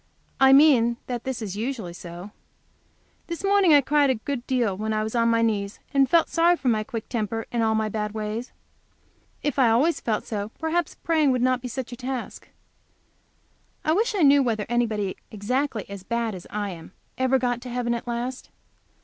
I mean that this is usually so. This morning I cried a good deal while I was on my knees, and felt sorry for my quick temper and all my bad ways. If I always felt so, perhaps praying would not be such a task. I wish I knew whether anybody exactly as bad as I am ever got to heaven at last.